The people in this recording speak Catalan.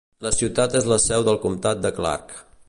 La ciutat és la seu del comtat de Clark.